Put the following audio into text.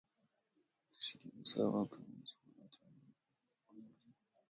Lastly, the server can be used for data backup and recovery purposes.